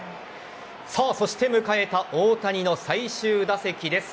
そして迎えた大谷の最終打席です。